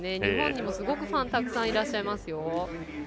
日本にもすごくファンたくさんいらっしゃいますよ。